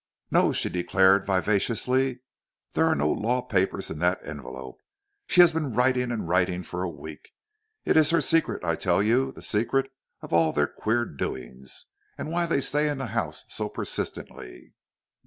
"No," she declared vivaciously, "there are no law papers in that envelope. She has been writing and writing for a week. It is her secret, I tell you the secret of all their queer doings, and why they stay in the house so persistently."